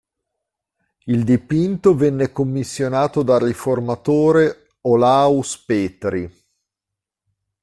Il dipinto venne commissionato dal riformatore Olaus Petri.